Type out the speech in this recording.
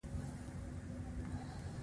د دغه لقب د ترلاسه کولو لپاره